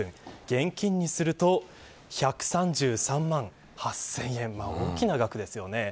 現金にすると１３３万８０００円は大きな額ですよね。